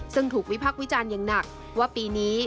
ซึ่งถูกวิพักษ์วิจารณ์อย่างหนักว่าปีนี้